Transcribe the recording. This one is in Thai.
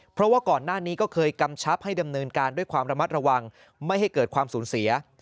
เพราะว่าก่อนหน้านี้ก็เคยกำชับให้ดำเนินการด้วยความระมัดระวังไม่ให้เกิดความสูญเสีย